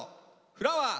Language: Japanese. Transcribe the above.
「フラワー」。